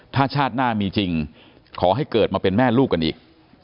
ถ้าชาติหน้ามีจริงขอให้เกิดมาเป็นแม่ลูกกันอีก